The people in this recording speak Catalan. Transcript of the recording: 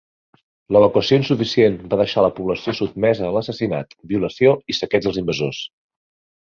L'evacuació insuficient va deixar a la població sotmesa a l'assassinat, violació i saqueig dels invasors.